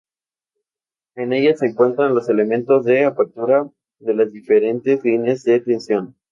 En ella se encuentran los elementos de apertura de las diferentes líneas de tension.